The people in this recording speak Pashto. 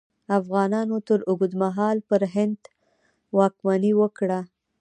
افغانانو تر اوږده مهال پر هند واکمني وکړه.